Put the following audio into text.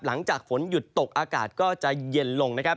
หลังจากฝนหยุดตกอากาศก็จะเย็นลงนะครับ